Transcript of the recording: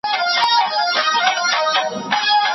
یار به کله راسي، وايي بله ورځ